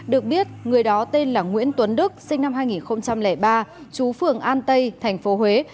được biết người đó tên là nguyễn tuấn đức sinh năm hai nghìn ba chú phường an tây tp huế